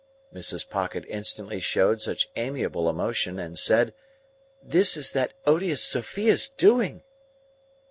Mrs. Pocket instantly showed much amiable emotion, and said, "This is that odious Sophia's doing!"